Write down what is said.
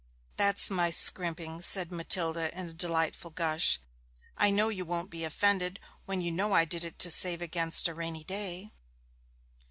'That's my scrimping!' said Matilda in a delightful gush. 'I know you won't be offended when you know I did it to save against a rainy day!'